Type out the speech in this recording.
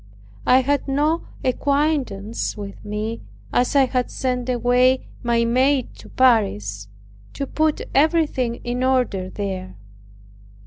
I had no acquaintance with me as I had sent away my maid to Paris, to put everything in order there.